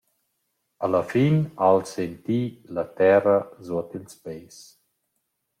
A la fin ha’l senti la terra suot ils peis.